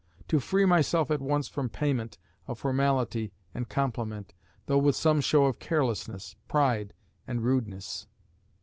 To free myself at once from payt. (?) of formality and compliment, though with some show of carelessness, pride, and rudeness."